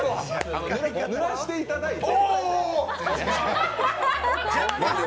あの、ぬらしていただいて。